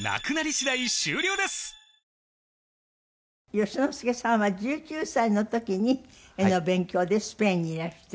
善之介さんは１９歳の時に絵の勉強でスペインにいらして。